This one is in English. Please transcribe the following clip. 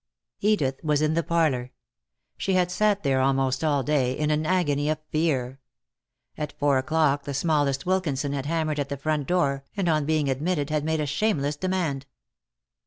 Edith was in the parlor. She had sat there almost all day, in an agony of fear. At four o'clock the smallest Wilkinson had hammered at the front door, and on being admitted had made a shameless demand.